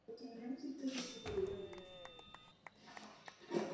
Během války tyto lodě převážně doprovázely svazy rychlých letadlových lodí.